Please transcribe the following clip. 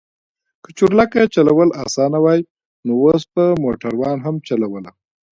که چورلکه چلول اسانه وای نو اوس به موټروان هم چلوله.